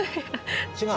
違う？